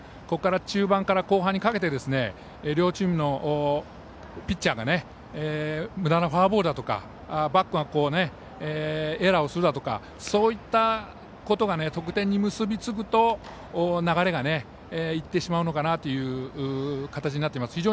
ここから中盤から後半にかけて両チームのピッチャーがむだなフォアボールとかバックがエラーするとかそういうことが得点に結びつくと流れがいってしまうのかなという形になっています。